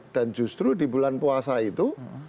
dan justru di bulan puasa itu